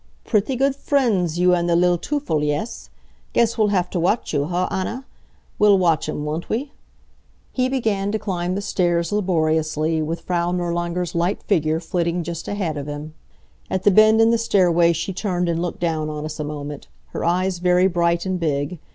"Pretty good frien's, you an' the li'l Teufel, yes? Guess we'll have to watch you, huh, Anna? We'll watch 'em, won't we?" He began to climb the stairs laboriously, with Frau Nirlanger's light figure flitting just ahead of him. At the bend in the stairway she turned and looked down on us a moment, her eyes very bright and big.